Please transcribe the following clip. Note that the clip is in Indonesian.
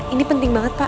ini penting banget pak